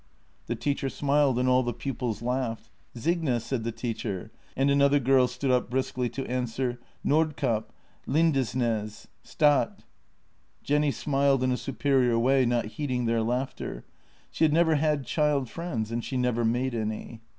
The teacher smiled and all the pupils laughed. " Signe," said the teacher, and another girl stood up briskly to answer: " Nordkap, Lindesnaes, Stat." Jenny smiled in a superior way, not heed ing their laughter. She had never had child friends, and she never made any.